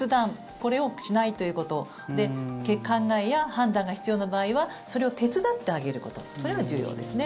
これをしないということ考えや判断が必要な場合はそれを手伝ってあげることそれが重要ですね。